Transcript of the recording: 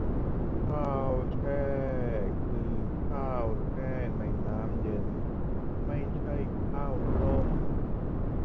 ข้าวแช่ คือข้าวแช่ในน้ำเย็น ไม่ใช่ข้าวต้ม